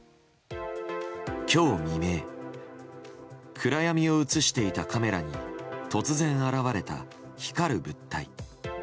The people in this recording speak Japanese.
今日未明暗闇を映していたカメラに突然、現れた光る物体。